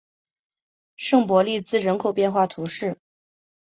圣博利兹人口变化图示